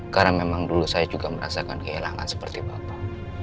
karena memang dulu saya juga merasakan kehilangan seperti bapak